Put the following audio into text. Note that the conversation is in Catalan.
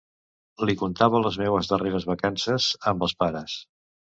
Li contava les meues darreres vacances, amb els pares.